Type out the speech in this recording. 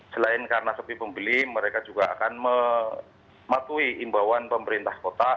selain karena sepi pembeli mereka juga akan mematuhi imbauan pemerintah kota